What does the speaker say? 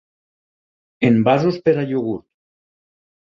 Envasos per a iogurt.